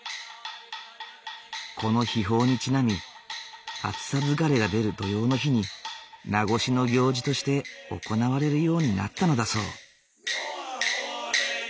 この秘法にちなみ暑さ疲れが出る土用の日に夏越しの行事として行われるようになったのだそう。